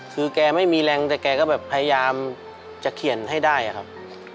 คือแกไม่มีแรงแต่แกก็แบบพยายามจะเขียนให้ได้ครับ